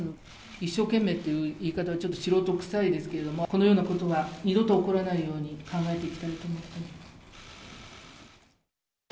一生懸命っていう言い方は、ちょっと素人くさいですけれども、このようなことが二度と起こらないように考えていきたいと思います。